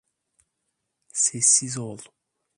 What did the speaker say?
Sessiz ol.